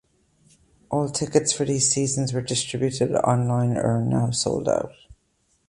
All tickets for these seasons were distributed online and are now sold out.